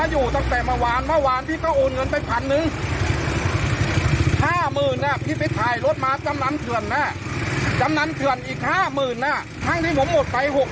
อย่างงี้๑๐แต่เล่าขวางนะจำนั้นเขื่อนอีกห้ามือนน่ะทั้งที่ผมหมดไปหก